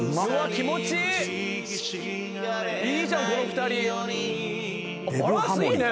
気持ちいい。